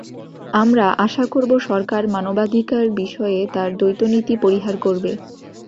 আমরা আশা করব, সরকার মানবাধিকার বিষয়ে তার দ্বৈতনীতি পরিহার করবে।